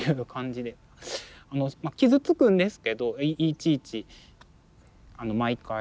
まあ傷つくんですけどいちいち毎回。